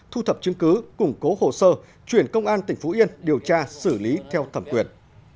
thu thập chứng cứ củng cố hồ sơ chuyển công an tỉnh phú yên điều tra xử lý theo thẩm quyền